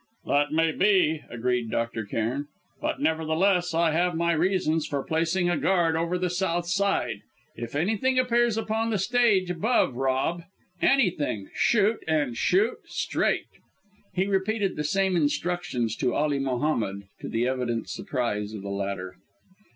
"That may be," agreed Dr. Cairn; "but, nevertheless, I have my reasons for placing a guard over the south side. If anything appears upon the stage above, Rob anything shoot, and shoot straight!" He repeated the same instructions to Ali Mohammed, to the evident surprise of the latter.